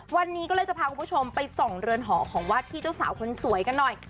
วันนี้ก็เลยจะพาคุณผู้ชมไปส่องเรือนหอของวัดที่เจ้าสาวคนสวยกันหน่อย